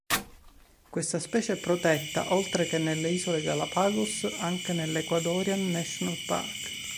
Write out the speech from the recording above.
Questa specie è protetta oltre che nelle isole Galapagos anche nell'Ecuadorian National Park.